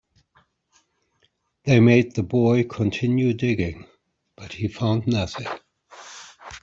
They made the boy continue digging, but he found nothing.